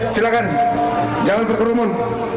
silakan jangan berkerumun